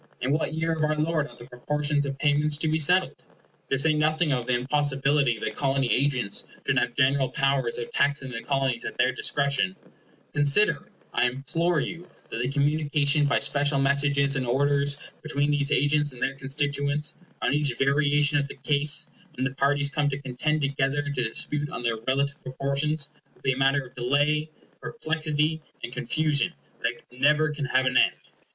In what year of our Lord are the proportions of payments to be settled? To say nothing of the impossibility that Colony agents should have general powers of taxing the Colonies at their discretion, consider, I implore you, that the communication by special messages and orders between these agents and their constituents, on each variation of the case, when the parties come to contend together and to dispute on their relative proportions, will be a matter of delay, perplexity, and confusion that never can have an end.